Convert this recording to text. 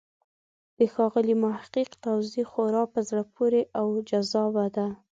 د ښاغلي محق توضیح خورا په زړه پورې او جذابه ده.